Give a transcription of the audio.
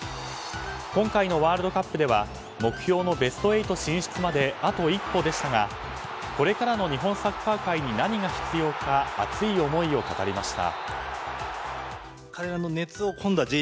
今回のワールドカップでは目標のベスト８進出まであと一歩でしたがこれからの日本サッカー界に何が必要か熱い思いを語りました。